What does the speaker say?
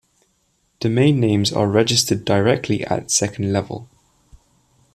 Domain names are registered directly at second level.